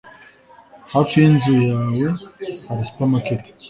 Hafi yinzu yawe hari supermarket?